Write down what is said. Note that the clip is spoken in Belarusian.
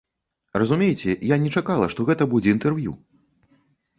Разумееце, я не чакала, што гэта будзе інтэрв'ю.